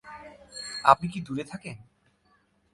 আপনি কি দূরে থাকেন?